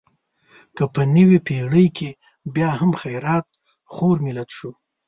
که په نوې پېړۍ کې بیا هم خیرات خور ملت شو.